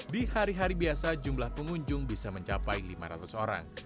di hari hari biasa jumlah pengunjung bisa mencapai lima ratus orang